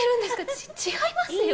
ち違いますよ。